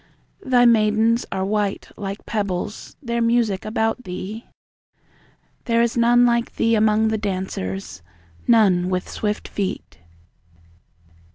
Thy maidens are white like pebbles; Their music about thee! There is none like thee among the dancers; None with swift feet.